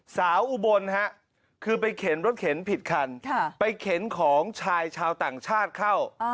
อุบลคือไปเข็นรถเข็นผิดคันไปเข็นของชายชาวต่างชาติเข้า